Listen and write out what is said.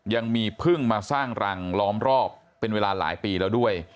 ยังมีพึ่งมาสร้างรังล้อมรอบเป็นเวลาหลายปีแล้วด้วย